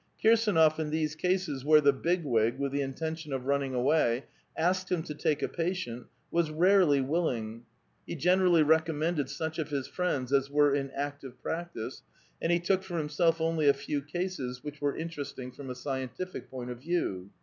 Kirsdnof , in these cases where the Big Wig, with the intention of* running away, asked him to take a patient, was rarely willing ; he generally recom mended such of his friends as were in active practice, and he took for himself only a few cases which were interesting from a scientific point of view.